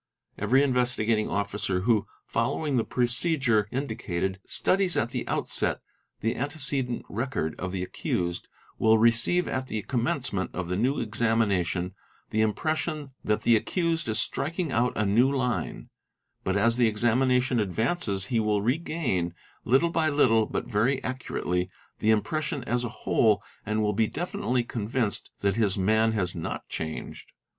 Every Investigating Officer who, following the procedure indicated, studies — at the outset the antecedent record of the accused will receive at the commencement of the new examination the impression that the accused is striking out a new line; but as the examination advances he will regain, — KNOWLEDGE OF MEN ol ittle by little but very accurately, the impression as a whole and will be definitely convinced that his man has not changed.